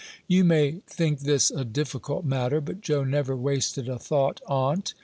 You may think this a difficult matter, but Joe never wasted a thought on't.